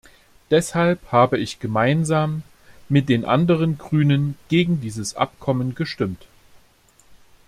Deshalb habe ich gemeinsam mit den anderen Grünen gegen dieses Abkommen gestimmt.